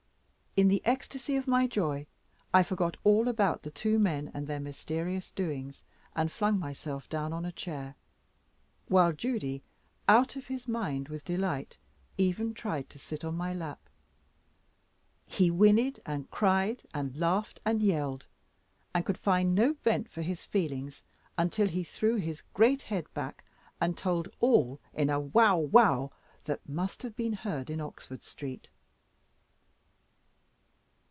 In the ecstasy of my joy, I forgot all about the two men and their mysterious doings, and flung myself down on a chair, while Judy, out of his mind with delight, even tried to sit on my lap. He whinnied, and cried, and laughed, and yelled, and could find no vent for his feelings, until he threw his great head back and told all in a wow wow, that must have been heard in Oxford Street.